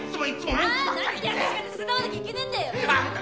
なんで私が手伝わなきゃいけねえんだよ！